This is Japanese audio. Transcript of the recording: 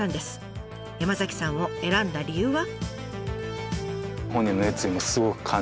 山さんを選んだ理由は？